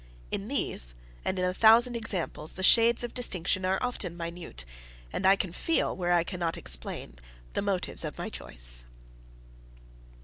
In these, and in a thousand examples, the shades of distinction are often minute; and I can feel, where I cannot explain, the motives of my choice.